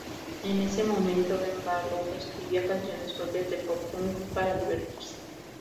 En ese momento, Ben Barlow escribía canciones propias de pop punk para divertirse.